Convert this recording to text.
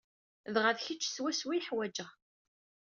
Dɣa d kecc swaswa ay ḥwajeɣ.